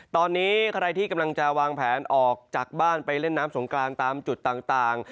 ตอนนี้ใครที่กำลังจะวางแผนออกจากบ้านไปเล่นน้ำสงกรานตามจุดต่าง